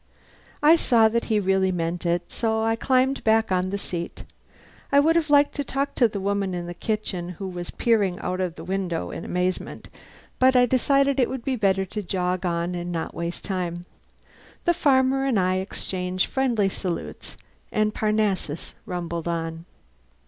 I saw that he really meant it, so I climbed back on the seat. I would have liked to talk to the woman in the kitchen who was peering out of the window in amazement, but I decided it would be better to jog on and not waste time. The farmer and I exchanged friendly salutes, and Parnassus rumbled on.